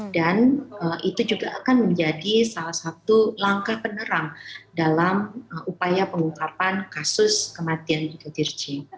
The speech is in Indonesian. dan itu juga akan menjadi salah satu langkah penerang dalam upaya pengungkapan kasus kematian yudha tirci